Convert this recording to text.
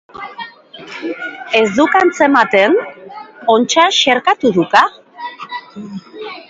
Ez duk atzematen? Ontsa xerkatu duka?